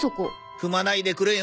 踏まないでくれよ